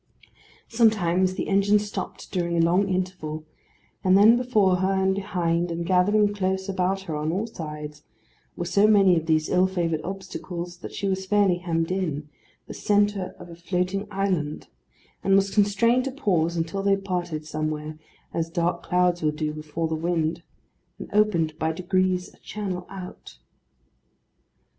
Sometimes the engine stopped during a long interval, and then before her and behind, and gathering close about her on all sides, were so many of these ill favoured obstacles that she was fairly hemmed in; the centre of a floating island; and was constrained to pause until they parted, somewhere, as dark clouds will do before the wind, and opened by degrees a channel out.